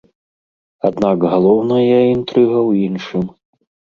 Аднак галоўная інтрыга ў іншым.